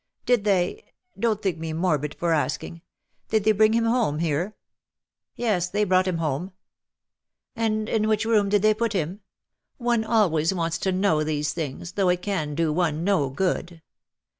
Did they — don^t think me morbid for asking — did they bring him home here?^' ^^ Yes, they brought hiin home.^"* " And in which room did they put him ? One always wants to know these things, though it can do one no gopd.